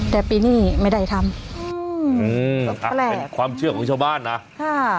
แต่ปีนี้ไม่ได้ทำอืมอืมเป็นความเชื่อของชาวบ้านนะค่ะ